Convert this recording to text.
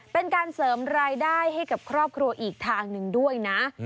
เป็นการเสริมรายได้ให้กับครอบครัวอีกทางหนึ่งด้วยนะ